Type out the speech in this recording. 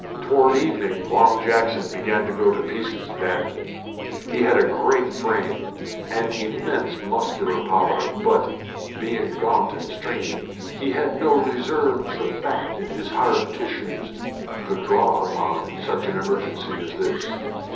Toward evening Long Jackson began to go to pieces badly. He had a great frame, and immense muscular power, but, being gaunt and stringy, he had no reserves of fat in his hard tissues to draw upon in such an emergency as this.